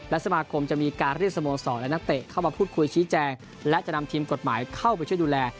และสมาคมจะมีการเรียกสโมสรและนักเตะเข้ามาพูดคุยชี้แจงและจะนำทีมกฎหมายเข้าไปช่วยดูแล